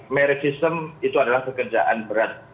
merit system itu adalah pekerjaan berat